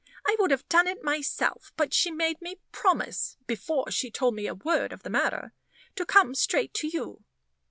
I would have done it myself; but she made me promise, before she told me a word of the matter, to come straight to you."